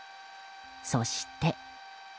そして。